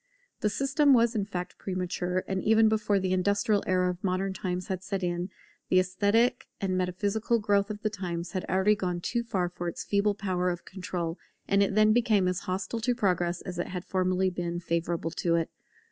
The system was in fact premature; and even before the industrial era of modern times had set in, the esthetic and metaphysical growth of the times had already gone too far for its feeble power of control; and it then became as hostile to progress as it had formerly been favourable to it.